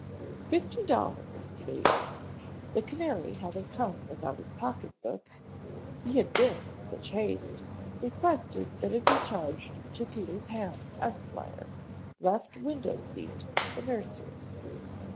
Fifty dollars, please." The canary having come without his pocketbook, he had been in such haste, requested that it be charged to Peter Pan, Esq., Left Window Seat, The Nursery.